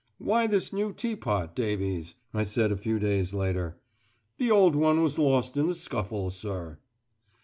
"Why this new teapot, Davies?" I said a few days later. "The old one was lost in the scuffle, sir."